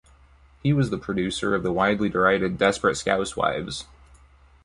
He was the producer of the widely derided "Desperate Scousewives".